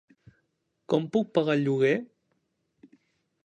Com puc pagar el lloguer?